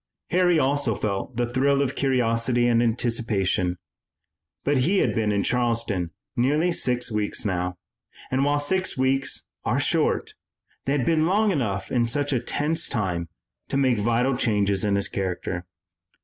Harry also felt the thrill of curiosity and anticipation, but he had been in Charleston nearly six weeks now, and while six weeks are short, they had been long enough in such a tense time to make vital changes in his character.